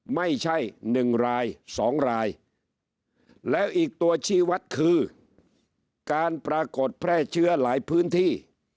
ไม่ใช่๑ราย๒รายแล้วอีกตัวชีวัตรคือการปรากฏแพร่เชื้อหลายพื้นที่